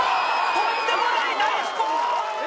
とんでもない大飛行！